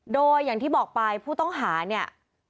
โดยอย่างที่บอกไปผู้ต้องหาเนี่ย